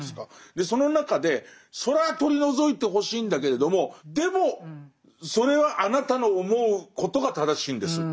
その中でそれは取り除いてほしいんだけれどもでもそれはあなたの思うことが正しいんですっていう。